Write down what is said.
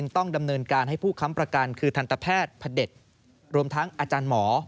ต้องดำเนินการให้ผู้ค้ำประกันคือทันตแพทย์พระเด็จรวมทั้งอาจารย์หมอ